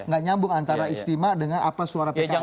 gak nyambung antara istimewa dengan apa suara pks